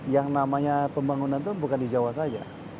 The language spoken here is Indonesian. yang namanya pembangunan itu bukan di jawa saja